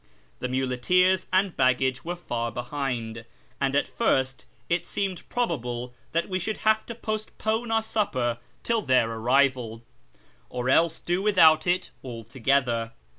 The nudcteers and haggagc were far behind, and at first it seemed probalile that we should have to postpone our supper till their arrival, or else do without it altogether.